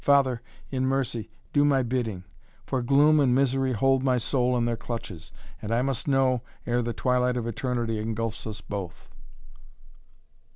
Father, in mercy, do my bidding, for gloom and misery hold my soul in their clutches, and I must know, ere the twilight of Eternity engulfs us both."